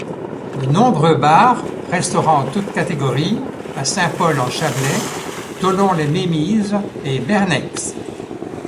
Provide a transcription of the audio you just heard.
De nombreux bars, restaurants toutes catégories à Saint-Paul en Châblais, Thollon-les-Mémises et Bernex.